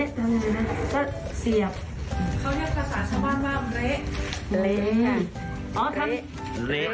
ก็เสียบ